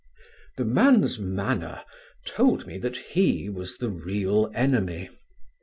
"The man's manner told me that he was the real enemy.